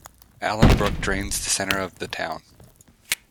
Allen Brook drains the center of the town.